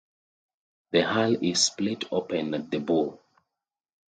The hull is split open at the bow.